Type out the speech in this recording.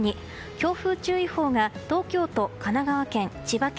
強風注意報が東京都、神奈川県千葉県